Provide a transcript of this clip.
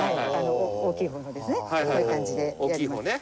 大きい方のですねこういう感じでやってます。